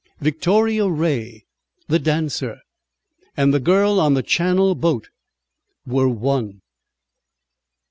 Victoria Ray the dancer, and the girl on the Channel boat were one.